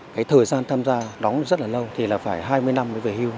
những khó khăn tham gia đóng rất là lâu thì là phải hai mươi năm mới về hưu